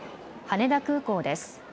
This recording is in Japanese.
羽田空港です。